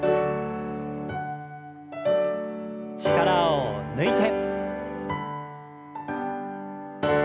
力を抜いて。